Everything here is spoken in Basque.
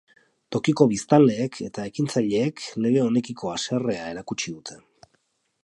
Tokiko biztanleek eta ekintzaileek lege honekiko haserrea erakutsi dute.